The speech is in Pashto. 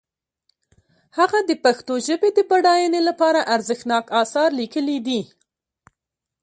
هغه د پښتو ژبې د بډاینې لپاره ارزښتناک آثار لیکلي دي.